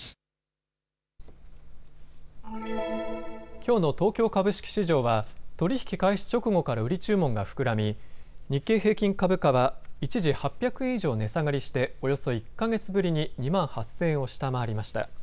きょうの東京株式市場は取り引き開始直後から売り注文が膨らみ日経平均株価は一時８００円以上値下がりしておよそ１か月ぶりに２万８０００円を下回りました。